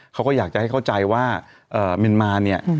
เขาก็อยากจะให้เข้าใจว่าเมียนมาเนี่ย